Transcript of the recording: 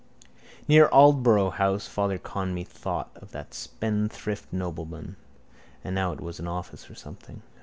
Near Aldborough house Father Conmee thought of that spendthrift nobleman. And now it was an office or something.